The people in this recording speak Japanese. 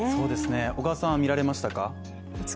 小川は見られましたか